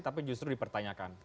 tapi justru dipertanyakan